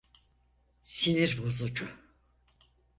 Sinir bozucu!